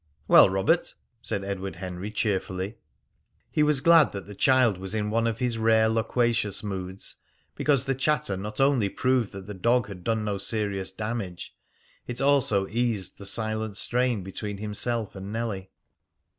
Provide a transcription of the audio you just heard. "Well, Robert?" said Edward Henry cheerfully. He was glad that the child was in one of his rare loquacious moods, because the chatter not only proved that the dog had done no serious damage, it also eased the silent strain between himself and Nellie.